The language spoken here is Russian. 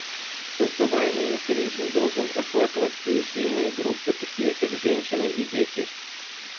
Создаваемый механизм должен охватывать уязвимые группы, такие как женщины и дети.